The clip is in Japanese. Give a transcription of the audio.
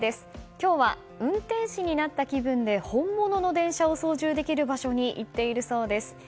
今日は、運転士になった気分で本物の電車を操縦できる場所に行っているそうです。